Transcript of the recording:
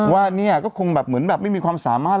ว่าเนี่ยก็คงแบบเหมือนแบบไม่มีความสามารถ